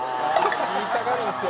言いたがるんですよ